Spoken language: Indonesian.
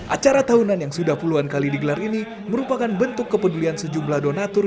acara tahunan yang sudah puluhan kali digelar ini merupakan bentuk kepedulian sejumlah donatur